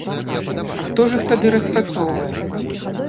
А хто ж іх тады распрацоўвае?